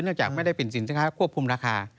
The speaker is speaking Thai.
จากไม่ได้เป็นสินค้าควบคุมราคา